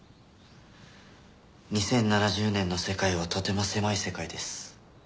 ２０７０年の世界はとても狭い世界です。